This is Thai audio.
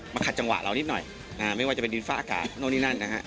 ขัดจังหวะเรานิดหน่อยไม่ว่าจะเป็นดินฟ้าอากาศโน้นนี่นั่นนะฮะ